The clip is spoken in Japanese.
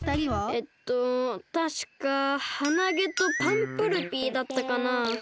えっとたしかハナゲとパンプルピーだったかな。